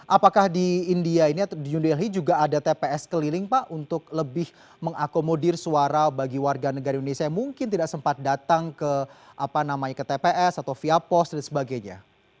apakah di india ini atau di new delhi juga ada tps keliling pak untuk lebih mengakomodir suara bagi warga negara indonesia yang mungkin tidak sempat datang ke tps atau via pos dan sebagainya